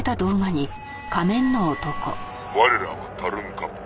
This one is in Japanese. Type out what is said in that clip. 「我らはタルンカッペ」